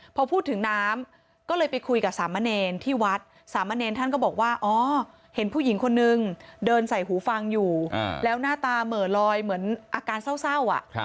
พอพูดถึงน้ำก็เลยไปคุยกับสามเณรที่วัดสามะเนรท่านก็บอกว่าอ๋อเห็นผู้หญิงคนนึงเดินใส่หูฟังอยู่แล้วหน้าตาเหม่อลอยเหมือนอาการเศร้า